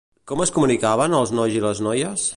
Com es comunicaven els nois i les noies?